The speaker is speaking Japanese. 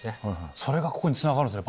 それがここにつながるんですね